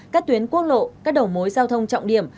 các tuyến quốc lộ các đầu mối giao thông trọng điểm